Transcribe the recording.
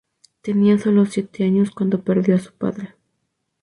Tenía sólo siete años cuando perdió a su padre.